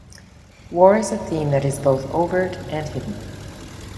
War is a theme that is both overt and hidden.